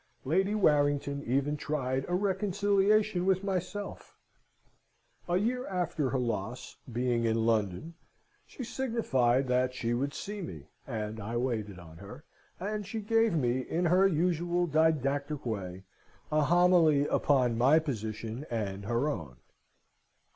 Lady Warrington even tried a reconciliation with myself. A year after her loss, being in London, she signified that she would see me, and I waited on her; and she gave me, in her usual didactic way, a homily upon my position and her own.